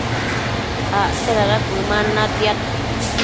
acte dada cuëman natiad